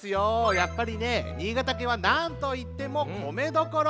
やっぱりね新潟県はなんといっても米どころ！